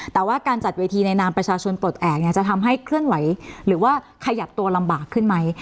แต่ว่าการจัดเวทีในนามประชาชนปลดแอบเนี่ยจะทำให้เคลื่อนไหวหรือว่าขยับตัวลำบากขึ้นไหม